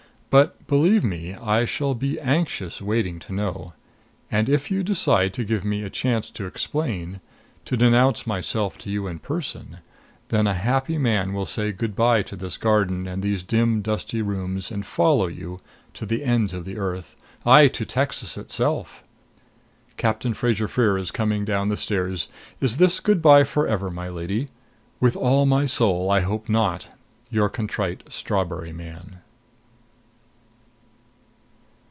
But, believe me, I shall be anxiously waiting to know; and if you decide to give me a chance to explain to denounce myself to you in person then a happy man will say good by to this garden and these dim dusty rooms and follow you to the ends of the earth aye, to Texas itself! Captain Fraser Freer is coming down the stairs. Is this good by forever, my lady? With all my soul, I hope not. YOUR CONTRITE STRAWBERRY MAN.